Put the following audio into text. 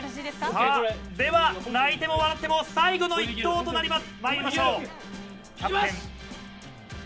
では、泣いても笑っても最後の１投となります。